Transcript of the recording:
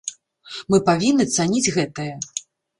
Мы павінны цаніць гэтае.